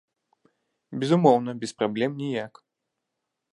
Безумоўна, без праблем ніяк.